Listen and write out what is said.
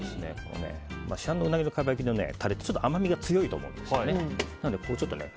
市販のウナギのかば焼きのタレってちょっと甘みが強いと思うんですね。